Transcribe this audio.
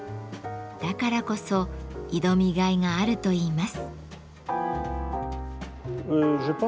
だからこそ挑みがいがあるといいます。